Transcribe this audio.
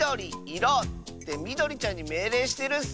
みどりちゃんにめいれいしてるッス！